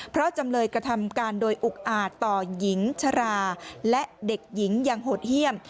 เพราะจำเลยกระทำการโดยอุกอาจต่อหญิงชราและเด็กหญิงอย่างโหดเยี่ยม